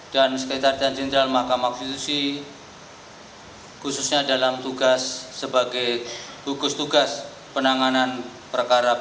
dan sekitar dan jenderal mahkamah konstitusi khususnya dalam tugas sebagai gugus tugas penanganan perkara bapu